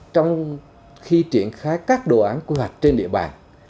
trong khi triển khai các đồ án quy hoạch trên địa bàn